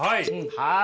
はい。